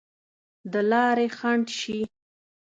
د لارې خنډ شي.